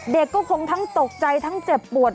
เด็กก็คงทั้งตกใจทั้งเจ็บปวด